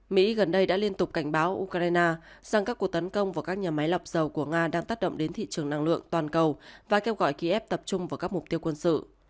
mỹ gần đây đã liên tục cảnh báo ukraine rằng các cuộc tấn công vào các nhà máy lọc dầu của nga đang tác động đến thị trường năng lượng toàn cầu và kêu gọi kiev tập trung vào các mục tiêu quân sự